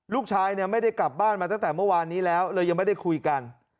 ลูกชายเนี่ยไม่ได้กลับบ้านมาตั้งแต่เมื่อวานนี้แล้วเลยยังไม่ได้คุยกัน